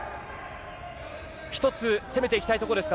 １つ攻めていきたいところですか。